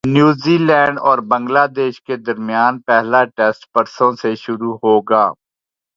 New Zealand اور Bangladesh کے درمیان پہلا ٹیسٹ پرسوں سے شروع ہوگا